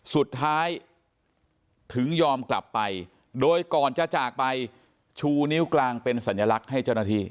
สุดท้ายถึงยอมกลับไปโดยก่อนจะจากไปชูนิ้วกลางเป็นสัญลักษณ์ให้เจ้าหน้าที่